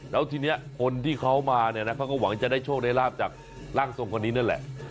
แล้วทีนี้คนที่เขามาเนี่ยนะเขาก็หวังจะได้โชคได้ลาบจากร่างทรงคนนี้นั่นแหละ